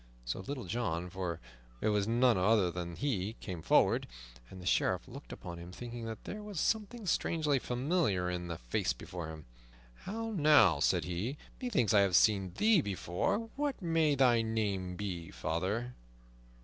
So Little John, for it was none other than he, came forward, and the Sheriff looked upon him, thinking that there was something strangely familiar in the face before him. "How, now," said he, "methinks I have seen thee before. What may thy name be, father?"